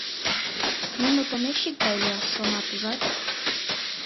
Нуно помещик гай лияш шонат, ужат.